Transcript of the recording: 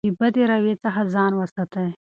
له بدې رویې څخه ځان وساتئ.